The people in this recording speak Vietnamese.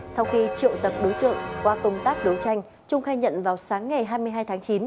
sau khi triệu tập đối tượng qua công tác đấu tranh trung khai nhận vào sáng ngày hai mươi hai tháng chín